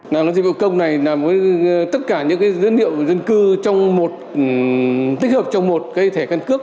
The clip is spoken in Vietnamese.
làm dịch vụ công này làm tất cả những dữ liệu dân cư tích hợp trong một thẻ căn cước